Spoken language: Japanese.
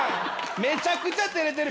めちゃくちゃ照れてる。